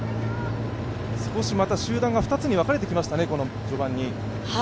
少しまた集団が２つに分かれてきましたね、この序盤に。